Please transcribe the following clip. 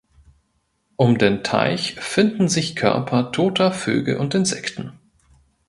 Um den Teich finden sich Körper toter Vögel und Insekten.